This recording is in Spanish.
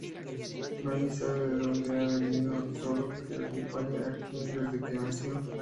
Nadie sabe de donde ha venido, solo, que acompaña a Quinn desde que nació.